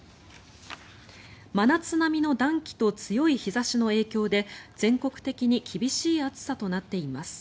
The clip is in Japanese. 真夏並みの暖気と強い日差しの影響で全国的に厳しい暑さとなっています。